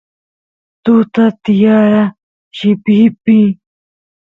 tuta tiyara llipipiy